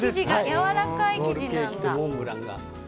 やわらかい生地なんだ。